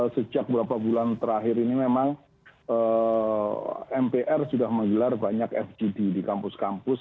sejak beberapa bulan terakhir ini memang mpr sudah menggelar banyak fgd di kampus kampus